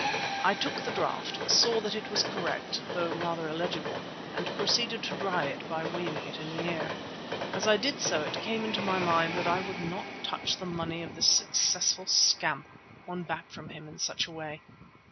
I took the draft, saw that it was correct though rather illegible, and proceeded to dry it by waving it in the air. As I did so it came into my mind that I would not touch the money of this successful scamp, won back from him in such a way.